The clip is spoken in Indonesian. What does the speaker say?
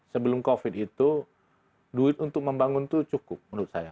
sebelum covid itu duit untuk membangun itu cukup menurut saya